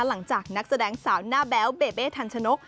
นักแสดงสาวหน้าแบ๊วเบเบทันชนก